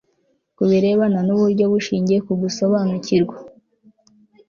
ku birebana n uburyo bushingiye ku gusobanukirwa